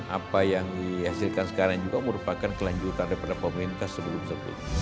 apa yang dihasilkan sekarang juga merupakan kelanjutan daripada pemerintah sebelum sebelumnya